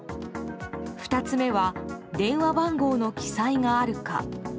２つ目は電話番号の記載があるか。